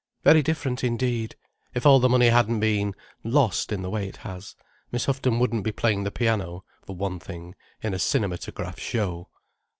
"Very different indeed. If all the money hadn't been—lost—in the way it has, Miss Houghton wouldn't be playing the piano, for one thing, in a cinematograph show."